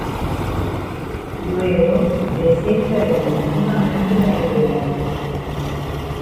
Luego, desecha definitivamente la idea.